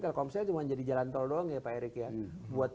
telkomsel cuma jadi jalan tol doang ya pak erick ya